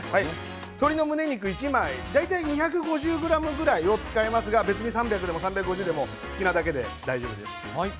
１枚大体２５０ｇぐらいを使いますが３００でも３５０でも好きなだけで大丈夫です。